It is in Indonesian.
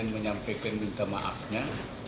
menyampaikan minta maafnya